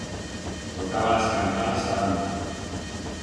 Tocaba las campanas a bando.